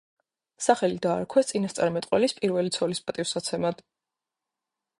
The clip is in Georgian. სახელი დაარქვეს წინასწარმეტყველის პირველი ცოლის პატივსაცემად.